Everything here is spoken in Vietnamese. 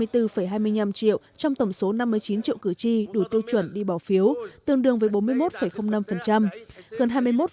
trong tổng số năm mươi chín triệu cử tri đủ tiêu chuẩn đi bỏ phiếu tương đương với bốn mươi một năm